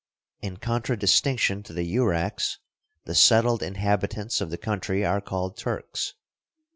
In contradistinction to the Yuraks the settled inhabitants of the country are called Turks.